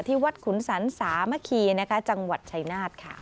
ที่วัดขุนศรรษาเมื่อกี้นะคะจังหวัดชายนาฏค่ะ